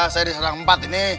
saya diserang empat ini